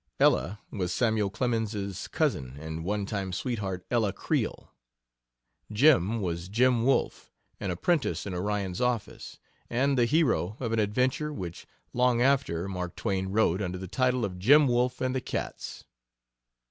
"Ella" was Samuel Clemens's cousin and one time sweetheart, Ella Creel. "Jim" was Jim Wolfe, an apprentice in Orion's office, and the hero of an adventure which long after Mark Twain wrote under the title of, "Jim Wolfe and the Cats."